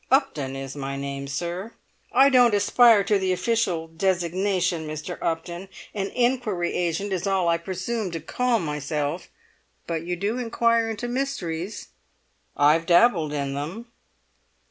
"Upton is my name, sir." "I don't aspire to the official designation, Mr. Upton, an inquiry agent is all I presume to call myself." "But you do inquire into mysteries?" "I've dabbled in them."